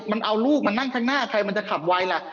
มันเอาลูกมานั่งข้างหน้าใครมันจะขับไวล่ะ